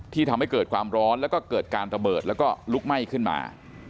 ทำให้เกิดความร้อนแล้วก็เกิดการระเบิดแล้วก็ลุกไหม้ขึ้นมา